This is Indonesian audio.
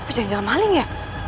apa jalan jalan maling ya